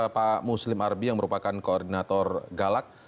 pak muslim arbi yang merupakan koordinator galak